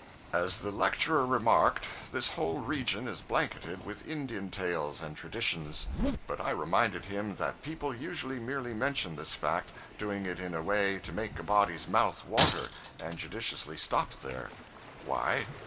As the lecturer remarked, this whole region is blanketed with Indian tales and traditions. But I reminded him that people usually merely mention this fact doing it in a way to make a body's mouth water and judiciously stopped there. Why?